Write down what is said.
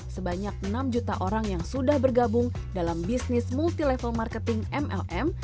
sebanyak enam juta orang yang sudah bergabung dalam bisnis multi level marketing mlm